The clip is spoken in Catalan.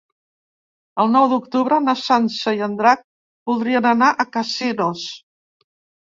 El nou d'octubre na Sança i en Drac voldrien anar a Casinos.